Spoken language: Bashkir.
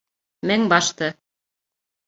Мең башты!